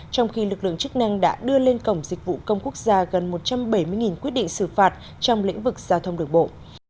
trong khi lực lượng chức năng đã đưa lên cổng dịch vụ công quốc gia gần một trăm bảy mươi quyết định xử phạt trong lĩnh vực giao thông đường bộ